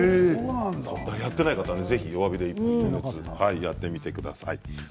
やってない方はぜひ、１分予熱やってみてください。